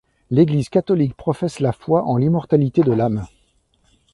L'Église catholique professe la foi en l'immortalité de l'âme.